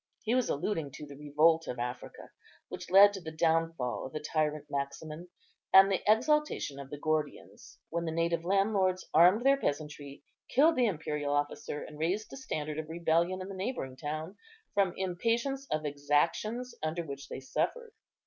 He was alluding to the revolt of Africa, which led to the downfall of the tyrant Maximin and the exaltation of the Gordians, when the native landlords armed their peasantry, killed the imperial officer, and raised the standard of rebellion in the neighbouring town from impatience of exactions under which they suffered.